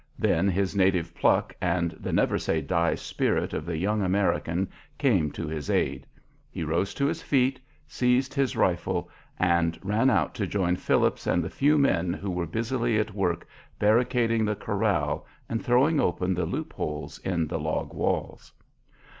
Then his native pluck and the never say die spirit of the young American came to his aid. He rose to his feet, seized his rifle, and ran out to join Phillips and the few men who were busily at work barricading the corral and throwing open the loop holes in the log walls.